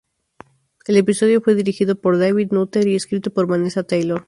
El episodio fue dirigido por David Nutter y escrito por Vanessa Taylor.